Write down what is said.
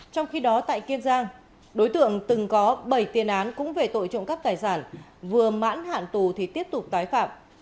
trong khi đó tại kiên giang đối tượng từng có bảy tiền án cũng về tội trộm cắp tài sản vừa mãn hạn tù thì tiếp tục tái phạm